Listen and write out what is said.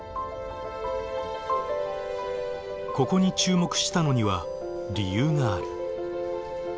ここに注目したのには理由がある。